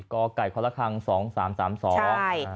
ก็ไก่เคาะละครั้งสองสามสามสองใช่